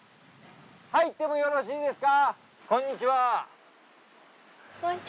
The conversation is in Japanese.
入ってもよろしいですか？